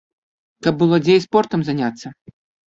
Каб было дзе і спортам заняцца.